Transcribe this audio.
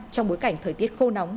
trong bối cảnh thời tiết khô nóng